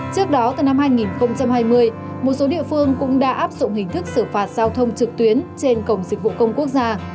trước đó từ năm hai nghìn hai mươi một số địa phương cũng đã áp dụng hình thức xử phạt giao thông trực tuyến trên cổng dịch vụ công quốc gia